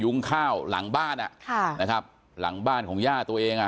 ข้าวหลังบ้านอ่ะค่ะนะครับหลังบ้านของย่าตัวเองอ่ะ